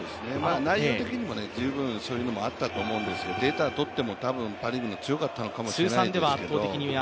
内容的にも十分そういうのがあったと思うんですがデータをとっても、やっぱりパ・リーグの方が強かったのかもしれませんけど。